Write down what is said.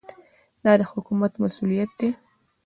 دا د حکومت مسوولیت دی.